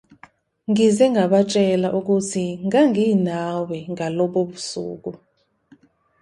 Ngize ngabatshela ukuthi nganginawe ngalobo busuku.